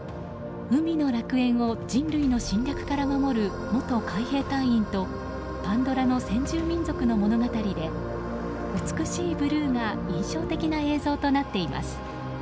海の楽園を人類の侵略から守る元海兵隊員とパンドラの先住民族の物語で美しいブルーが印象的な映像となっています。